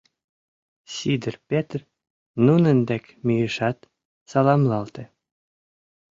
Сидыр Петр нунын дек мийышат, саламлалте.